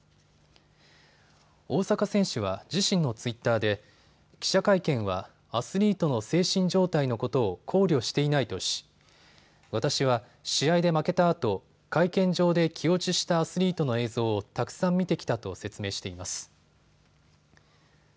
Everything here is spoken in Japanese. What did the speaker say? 大坂選手は自身のツイッターで記者会見はアスリートの精神状態のことを考慮していないとし、私は試合で負けたあと会見場で気落ちしたアスリートの映像をたくさん見てきたと説明しています。